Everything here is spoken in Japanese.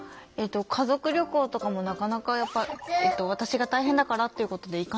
家族旅行とかもなかなかやっぱ私が大変だからっていうことでそう